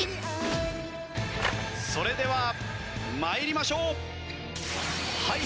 それでは参りましょう。